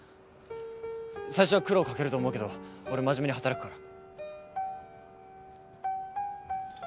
最初は苦労掛けると思うけど俺真面目に働くから。